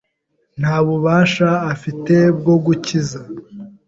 Nta bubasha afite bwo gukiza.